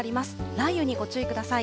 雷雨にご注意ください。